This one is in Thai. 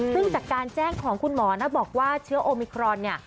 ซึ่งจากการแจ้งของคุณหมอนะบอกว่าเชื้อโอมิครอนเนี่ย